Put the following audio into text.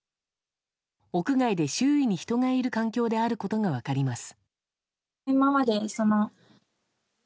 屋外で周囲に人がいる環境であることが分かります。